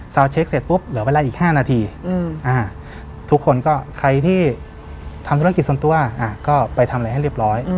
เช็คเสร็จปุ๊บเหลือเวลาอีก๕นาทีทุกคนก็ใครที่ทำธุรกิจส่วนตัวก็ไปทำอะไรให้เรียบร้อย